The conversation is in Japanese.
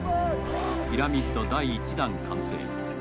ピラミッド第１段、完成。